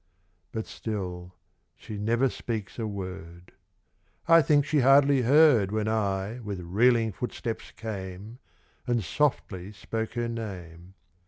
But still she never speaks a word ; I think she hardly heard When I with reeling footsteps came And softly spoke her name.